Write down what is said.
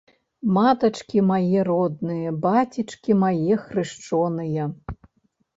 Матачкі мае родныя, бацечкі мае хрышчоныя!